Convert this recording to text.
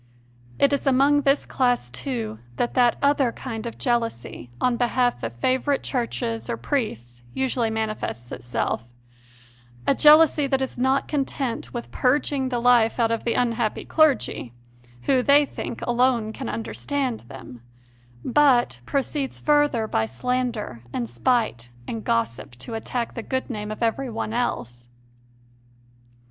It is among this class, too, that that other kind of jealousy on behalf of favourite churches or priests usually manifests itself a jealousy that is not content with plaguing the life out of the unhappy clergy, who, they think, alone can understand them, but 148 CONFESSIONS OF A CONVERT proceeds further by slander and spite and gossip to attack the good name of everyone else.